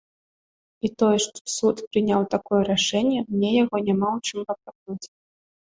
І тое, што суд прыняў такое рашэнне, мне яго няма ў чым папракнуць.